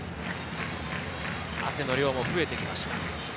汗の量も増えてきました。